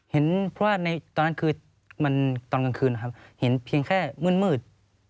เห็นเพราะว่าตอนกลางคืนเห็นเพียงแค่มืด